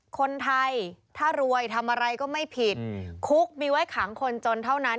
คนไทยถ้ารวยทำอะไรก็ไม่ผิดคุกมีไว้ขังคนจนเท่านั้น